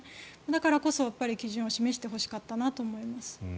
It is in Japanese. だからこそ基準を示してほしかったなと思います。